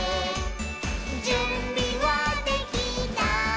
「じゅんびはできた？